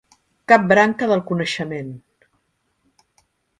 Cap branca del coneixement.